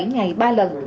ngày ba lần